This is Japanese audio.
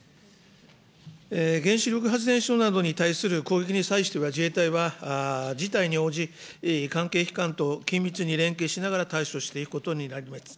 原子力発電所などに対する攻撃に際しては、自衛隊は事態に応じ、関係機関と緊密に連携しながら対処していくことになります。